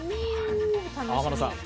天野さん